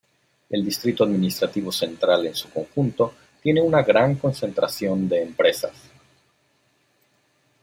El Distrito Administrativo Central en su conjunto tiene una gran concentración de empresas.